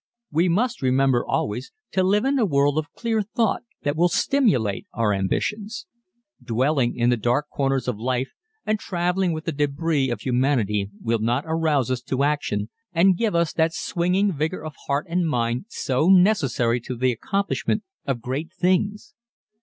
We must remember always to live in a world of clear thought that will stimulate our ambitions. Dwelling in the dark corners of life and traveling with the débris of humanity will not arouse us to action and give us that swinging vigor of heart and mind so necessary to the accomplishment of great things.